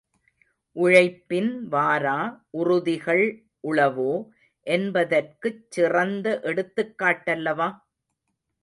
உழைப்பின் வாரா உறுதிகள் உளவோ என்பதற்குச் சிறந்த எடுத்துக் காட்டல்லவா?